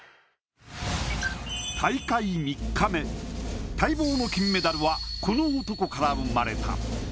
大会３日目待望の金メダルはこの男から生まれた。